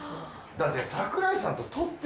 だって。